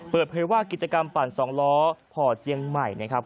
เปิดเผยว่ากิจกรรมปั่นสองล้อพอดเจียงใหม่นะครับ